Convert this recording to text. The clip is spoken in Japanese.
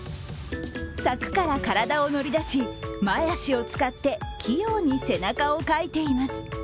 作から体を乗り出し前足を使って器用に背中をかいています。